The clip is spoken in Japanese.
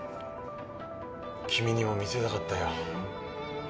君にも見せたかったよ。